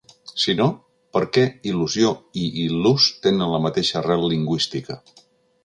Si no, perquè il·lusió i il·lús tenen la mateixa arrel lingüística?